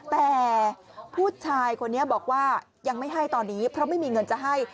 แต่ผู้ชายคนนี้บอกว่ายังไม่ให้ตอนนี้เพราะไม่มีเงินจะให้